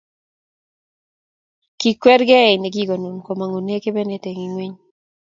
Kikwer kei ne kikonun komong'une kebenet eng ing'weny.